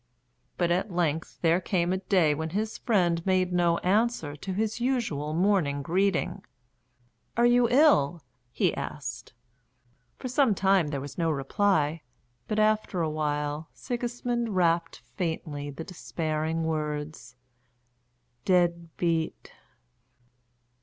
But at length there came a day when his friend made no answer to his usual morning greeting. "Are you ill?" he asked. For some time there was no reply, but after a while Sigismund rapped faintly the despairing words: "Dead beat!"